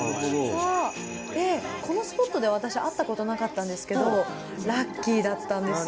このスポットでは私、会ったことなかったんですけど、ラッキーだったんですよ。